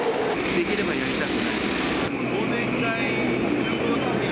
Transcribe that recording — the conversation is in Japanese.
できればやりたくない。